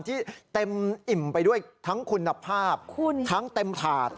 ที่เต็มอิ่มไปด้วยทั้งคุณภาพทั้งเต็มถาด